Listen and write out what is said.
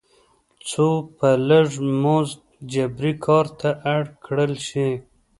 څو په لږ مزد جبري کار ته اړ کړل شي.